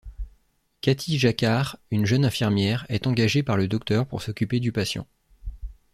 Kathy Jacquar, une jeune infirmière, est engagée par le docteur pour s'occuper du patient.